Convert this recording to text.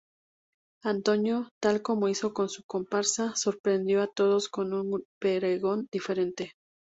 Antonio, tal como hizo con su comparsa, sorprendió a todos con un pregón diferente.